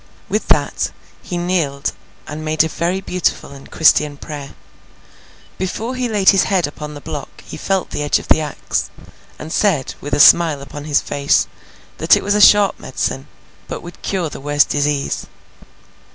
With that, he kneeled and made a very beautiful and Christian prayer. Before he laid his head upon the block he felt the edge of the axe, and said, with a smile upon his face, that it was a sharp medicine, but would cure the worst disease.